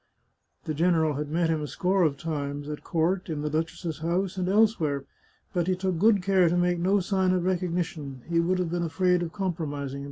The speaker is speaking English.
The general had met him a score of times — at court, in the duchess's house, and elsewhere — but he took good care to make no sign of recognition ; he would have been afraid of compromising himself.